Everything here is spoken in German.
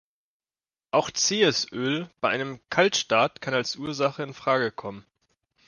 Auch zähes Öl bei einem Kaltstart kann als Ursache in Frage kommen.